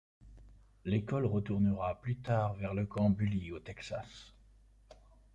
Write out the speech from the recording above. L'école retournera plus tard vers le Camp Bullis au Texas.